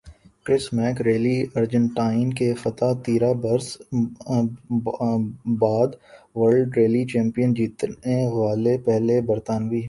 کرس Meeke rally Argentine کے فاتح تیرہ برس بعد ورلڈ ریلی چیمپئن جیتنے والے پہلے برطانوی